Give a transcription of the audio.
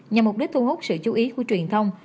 nhằm mục đích thu hút sự chú ý của truyền thông